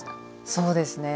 そうですね